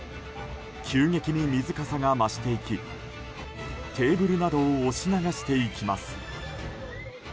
急激に水かさが増していきテーブルなどを押し流していきます。